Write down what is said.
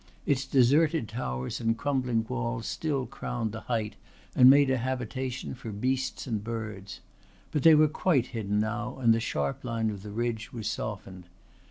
Its deserted towers and crumbling walls still crowned the height and made a habitation for beasts and birds. But they were quite hidden now and the sharp line of the ridge was softened.